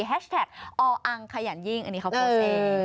แท็กออังขยันยิ่งอันนี้เขาโพสต์เอง